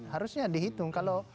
harusnya dihitung kalau